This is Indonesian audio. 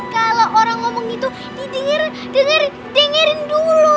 kalau orang ngomong gitu didengerin dengerin dengerin dulu